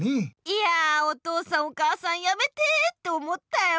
いや「お父さんお母さんやめて」って思ったよ。